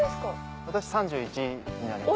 今年３１になります。